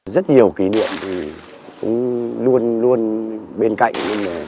rất nhiều kỷ niệm thì cũng luôn luôn bên cạnh